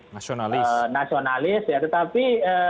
nasionalis ya tetapi